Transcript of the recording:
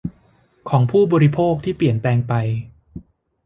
ของผู้บริโภคที่เปลี่ยนแปลงไป